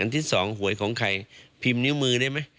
ที่สองหวยของใครพิมพ์นิ้วมือได้ไหม